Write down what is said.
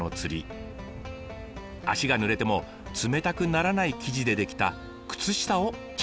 足がぬれても冷たくならない生地で出来た靴下を着用します。